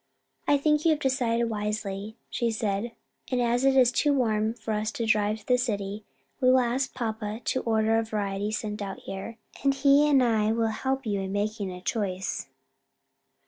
"I think you have decided wisely," she said, "and as it is too warm for us to drive to the city, we will ask papa to order a variety sent out here, and he and I will help you in making a choice."